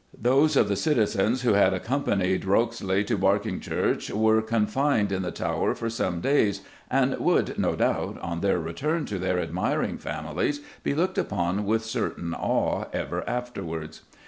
Those of the citizens "who had accompanied Rokesly to Berkyngechurche" were confined in the Tower for some days and would, no doubt, on their return to their admiring families, be looked upon with a certain awe ever afterwards.